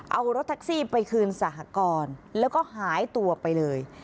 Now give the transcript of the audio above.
เอารถแท็กซี่ไปคืนสหกรณ์แล้วก็หายตัวไปเลย